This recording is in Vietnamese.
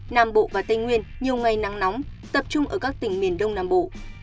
nam bộ và tây nguyên nhiều ngày nắng nóng tập trung ở các tỉnh miền đông nam bộ